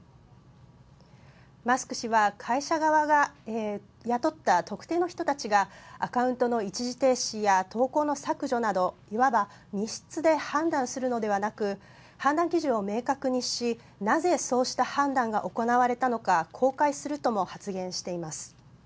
マスク氏は会社側が雇った特定の人たちがアカウントの一時停止や投稿の削除などいわば密室で判断するのではなく判断基準を明確にしなぜそうした判断が行われたのか公開するとも発言しています。